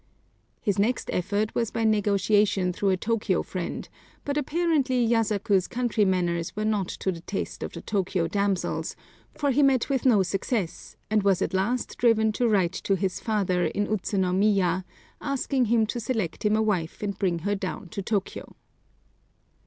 His next effort was by negotiation through a Tōkyō friend; but apparently Yasaku's country manners were not to the taste of the Tōkyō damsels, for he met with no success, and was at last driven to write to his father in Utsunomiya asking him to select him a wife and bring her down to Tōkyō.